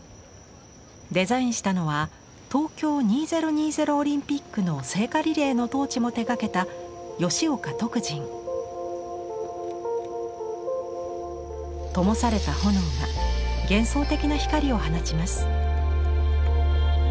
デザインしたのは東京２０２０オリンピックの聖火リレーのトーチも手がけた灯された炎が幻想的な光を放ちます。